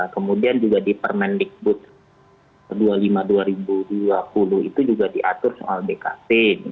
kemudian juga di permendikbud dua puluh lima dua ribu dua puluh itu juga diatur soal dkt